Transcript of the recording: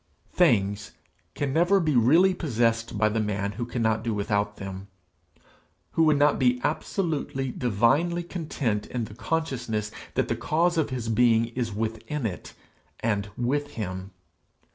Things can never be really possessed by the man who cannot do without them who would not be absolutely, divinely content in the consciousness that the cause of his being is within it and with him.